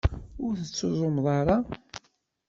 Ur tettuẓumeḍ ara.